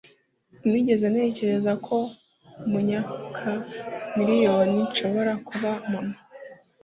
sinigeze ntekereza ko mumyaka miriyoni nshobora kuba mama